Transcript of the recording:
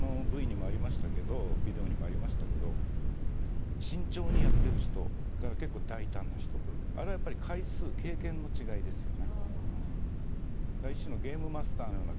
ビデオにもありましたけど慎重にやっている人から大胆な人、あれは回数、経験の違いですね。